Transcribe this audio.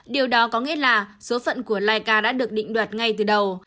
điều đó có nghĩa là số phận của laika đã được định đoạt ngay từ đầu